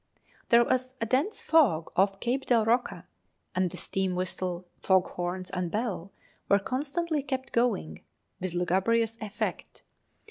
There was a dense fog off Cape del Roca, and the steam whistle, foghorns, and bell were constantly kept going, with lugubrious effect.